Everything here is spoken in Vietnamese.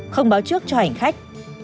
không báo trước cho hành khách